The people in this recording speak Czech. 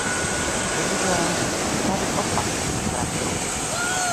Bohužel, pravý opak je pravdou.